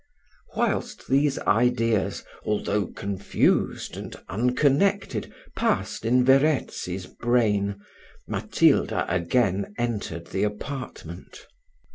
Whilst these ideas, although confused and unconnected, passed in Verezzi's brain, Matilda again entered the apartment.